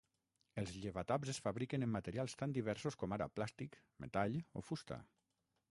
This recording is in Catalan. Els llevataps es fabriquen en materials tan diversos com ara plàstic, metall o fusta.